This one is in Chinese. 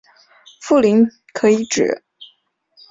富临可以指